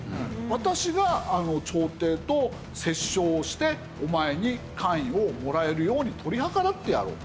私が朝廷と折衝をしてお前に官位をもらえるように取り計らってやろう。